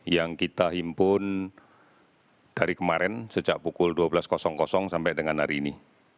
yang kita himpun dari kemarin sejak pukul dua belas sampai dengan hari ini